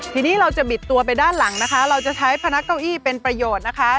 ทีนี้เราจะบิดตัวไปด้านหลังนะคะเราจะใช้พนักเก้าอี้เป็นประโยชน์นะคะ